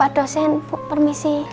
pak dosen permisi